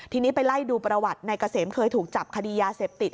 ทีนี้ไปไล่ดูประวัตินายเกษมเคยถูกจับคดียาเสพติด